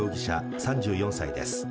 ３４歳です。